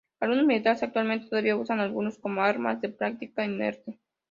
Algunos militares actualmente todavía usan algunos como armas de práctica inerte.